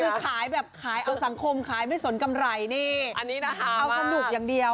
คือขายแบบขายเอาสังคมขายไม่สนกำไรนี่อันนี้นะคะเอาสนุกอย่างเดียว